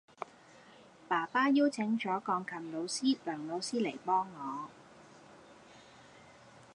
爸爸邀請咗鋼琴老師梁老師嚟幫我